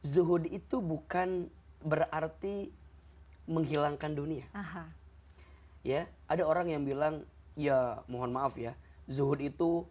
zuhud itu bukan berarti menghilangkan dunia ya ada orang yang bilang ya mohon maaf ya zuhud itu